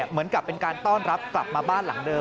เหมือนกับเป็นการต้อนรับกลับมาบ้านหลังเดิม